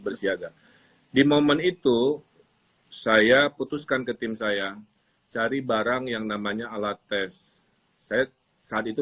bersiaga di momen itu saya putuskan ke tim saya cari barang yang namanya alat tes saya saat itu